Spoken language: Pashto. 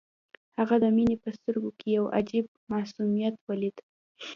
هغه د مينې په سترګو کې يو عجيب معصوميت وليد.